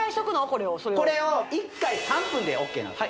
これを１回３分でＯＫなんです